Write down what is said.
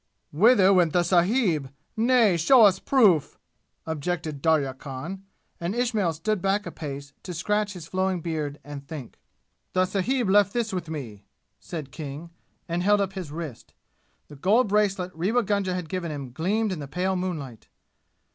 "Whither went the sahib? Nay show us proof!" objected Darya Khan; and Ismail stood back a pace to scratch his flowing beard and think. "The sahib left this with me!" said King, and held up his wrist. The gold bracelet Rewa Gunga had given him gleamed in the pale moonlight.